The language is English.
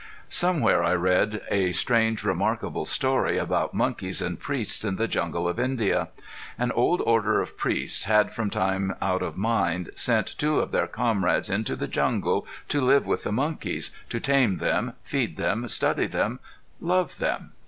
Somewhere I read a strange remarkable story about monkeys and priests in the jungle of India. An old order of priests had from time out of mind sent two of their comrades into the jungle to live with the monkeys, to tame them, feed them, study them, love them.